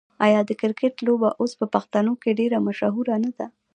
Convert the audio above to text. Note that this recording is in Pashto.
آیا د کرکټ لوبه اوس په پښتنو کې ډیره مشهوره نه ده؟